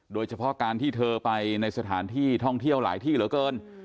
โดยเฉพาะการที่เธอไปในสถานที่ท่องเที่ยวหลายที่เหลือเกิน